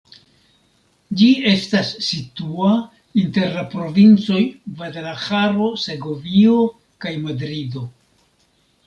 Ĝi estas situa inter la provincoj Gvadalaĥaro, Segovio kaj Madrido.